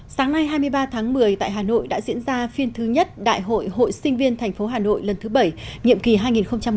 sáng nay hai mươi ba tháng một mươi tại hà nội đã diễn ra phiên thứ nhất đại hội hội sinh viên thành phố hà nội lần thứ bảy nhiệm kỳ hai nghìn một mươi chín hai nghìn hai mươi năm